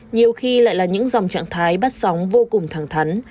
nhiều khi lại là những dòng trạng thái bắt sóng vô cùng thẳng thắn